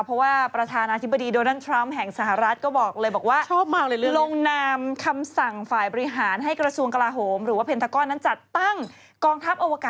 เพราะว่าประธานาธิบดีโดนั๊นท์ทรัมป์แห่งสหรัฐ